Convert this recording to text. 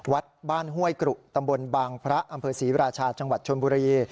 วัดบ้านห้วยกรุตำบลบางพระอำเภอศรีราชาจังหวัดชนบุรี